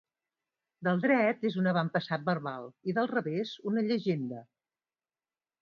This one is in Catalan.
Del dret és un avantpassat verbal i del revés una llegenda.